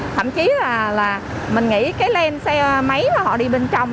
thậm chí là mình nghĩ cái len xe máy mà họ đi bên trong